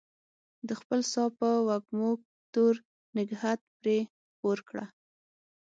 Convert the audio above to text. د خپل ساه په وږمو تور نګهت پرې خپور کړه